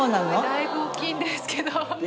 だいぶ大きいんですけど。